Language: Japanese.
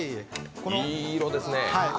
いい色ですね。